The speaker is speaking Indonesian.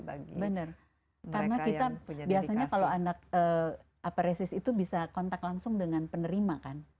karena kita biasanya kalau anak aparesis itu bisa kontak langsung dengan penerima kan